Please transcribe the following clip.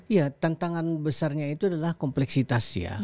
ya tantangan besarnya itu adalah kompleksitas ya